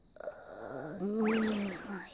うん。